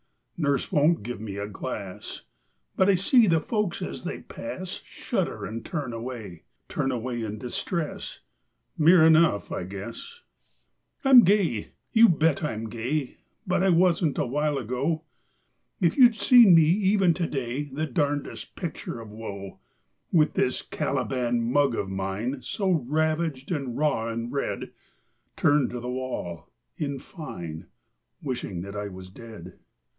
Nurse won't give me a glass, But I see the folks as they pass Shudder and turn away; Turn away in distress ... Mirror enough, I guess. I'm gay! You bet I am gay; But I wasn't a while ago. If you'd seen me even to day, The darndest picture of woe, With this Caliban mug of mine, So ravaged and raw and red, Turned to the wall in fine, Wishing that I was dead.